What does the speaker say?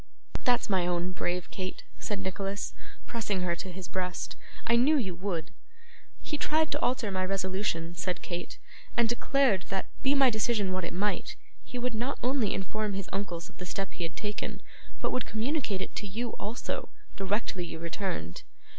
'That's my own brave Kate!' said Nicholas, pressing her to his breast. 'I knew you would.' 'He tried to alter my resolution,' said Kate, 'and declared that, be my decision what it might, he would not only inform his uncles of the step he had taken, but would communicate it to you also, directly you returned.